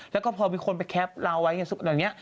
แล้วก็พอมีคนไปแคปเราไว้ไงตอนนี้